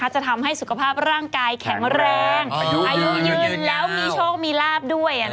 จะทำให้สุขภาพร่างกายแข็งแรงอายุยืนแล้วมีโชคมีลาบด้วย